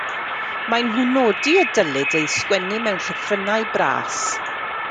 Maen nhw'n nodi y dylid ei sgwennu mewn llythrennau bras.